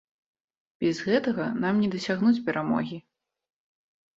Без гэтага нам не дасягнуць перамогі.